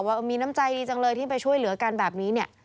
ว่ามีน้ำใจดีจังเลยที่ไปช่วยเหลือกันแบบนี้เนี่ย